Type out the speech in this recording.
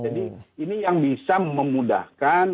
jadi ini yang bisa memudahkan